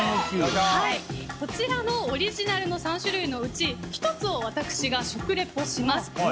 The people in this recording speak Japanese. こちらのオリジナルの３種類のうち１つを私が食リポします。